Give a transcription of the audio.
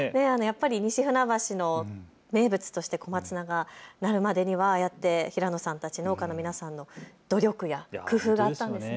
西船橋の名物として、小松菜がなるまでにはああやって平野さんたち、農家の皆さんの努力や工夫があったんですね。